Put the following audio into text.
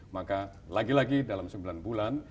maka lagi lagi dalam sembilan bulan